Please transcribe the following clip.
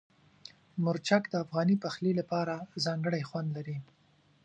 مرچک د افغاني پخلي لپاره ځانګړی خوند لري.